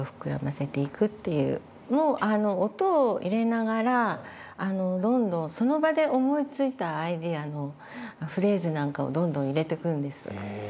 もう音を入れながらどんどんその場で思いついたアイデアのフレーズなんかをどんどん入れていくんです。